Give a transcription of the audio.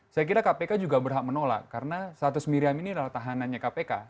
saya kira kpk juga berhak menolak karena status miriam ini adalah tahanannya kpk